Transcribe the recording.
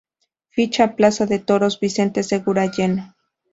Ficha: Plaza de toros Vicente Segura, lleno.